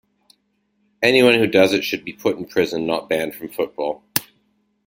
Anyone who does it should be put in prison - not banned from football.